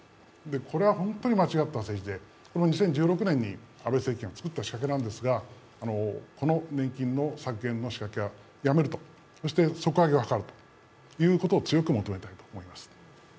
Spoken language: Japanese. これは本当に間違った政治で、２０１６年に安倍政権を作った仕掛けなんですがこの年金の削減の仕掛けはやめると、そして底上げを図るということを強く求めたいと思います。